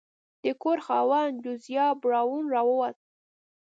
د کور خاوند جوزیا براون راووت.